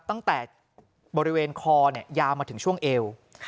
ตั้งแต่บริเวณคอยาวมาถึงช่วงเอว